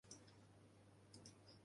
Az éghajlat kontinentális.